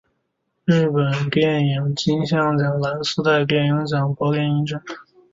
日本电影金像奖蓝丝带电影奖柏林影展